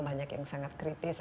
banyak yang sangat kritis